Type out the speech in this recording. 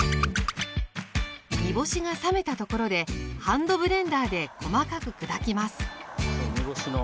煮干しが冷めたところでハンドブレンダーで細かく砕きます。